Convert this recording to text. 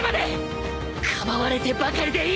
かばわれてばかりでいいのか！